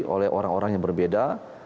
oleh orang orang yang berbeda